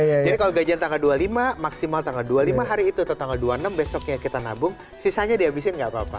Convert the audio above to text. jadi kalau gajian tanggal dua puluh lima maksimal tanggal dua puluh lima hari itu atau tanggal dua puluh enam besoknya kita nabung sisanya dihabisin gak apa apa